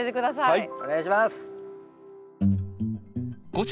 はい。